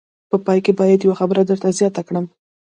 په پای کې باید یوه خبره زیاته کړم.